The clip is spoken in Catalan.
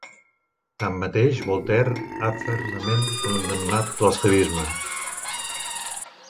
Tanmateix, Voltaire ha fermament condemnat l'esclavisme.